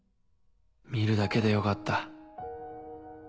見るだけでよかった。